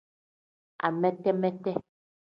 Amete-mete.